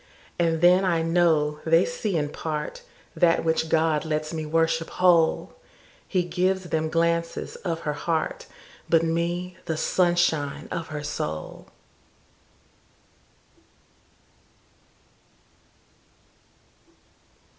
And then I know they see in partThat which God lets me worship whole:He gives them glances of her heart, But me, the sunshine of her soul.